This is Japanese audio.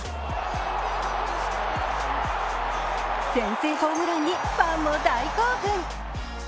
先制ホームランにファンも大興奮。